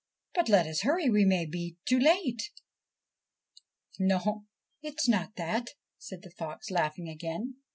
But let us hurry : we may be too late I ' 4 No, it is not that,' said the fox, laughing again.